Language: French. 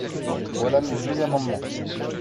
Voilà mes deux amendements.